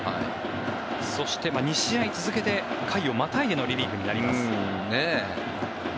そして、２試合続けて回をまたいでのリリーフになります。